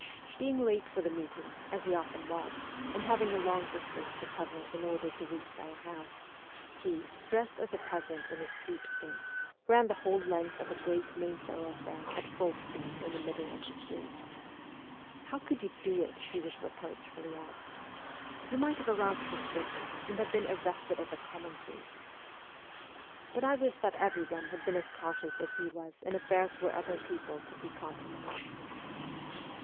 Being late for the meeting, as he often was, and having a long distance to cover in order to reach our house, he, dressed as a peasant in his sheepskin, ran the whole length of a great main thoroughfare at full speed in the middle of the street. ' How could you do it ?' he was reproach fully asked. ' You might have aroused suspicion, and have been arrested as a common thief.' But I wish that everyone had been as cautious as he was in affairs where other people could be compromised.